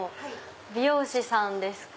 美容師さんですか？